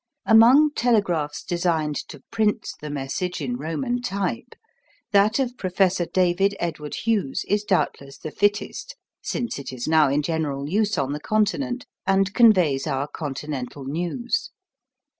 Among telegraphs designed to print the message in Roman type, that of Professor David Edward Hughes is doubtless the fittest, since it is now in general use on the Continent, and conveys our Continental news.